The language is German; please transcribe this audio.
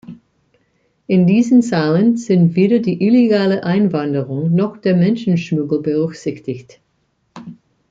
In diesen Zahlen sind weder die illegale Einwanderung noch der Menschenschmuggel berücksichtigt.